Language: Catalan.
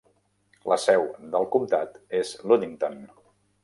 La seu del comtat és Ludington.